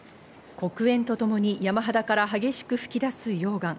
黒煙とともに山肌から激しく噴き出す溶岩。